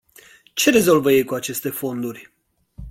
Ce rezolvă ei cu aceste fonduri?